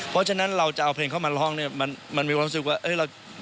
เพราะฉะนั้นเราจะเอาเพลงเข้ามาร้องเนี่ยมันมีความรู้สึกว่าเรา